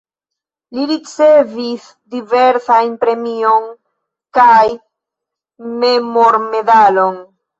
Li ricevis diversajn premion kaj memormedalon.